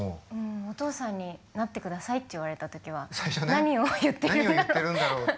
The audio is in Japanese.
お父さんになってくださいって言われたときは何を言ってるんだろうって思ったけど。